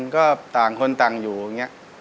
ก็ต่างคนต่างอยู่อย่างนี้